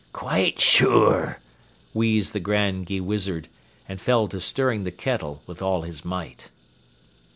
"Quite sure," wheezed the Grand Gheewizard, and fell to stirring the kettle with all his might.